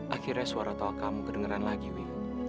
akhirnya suara tawa kamu kedengeran lagi wi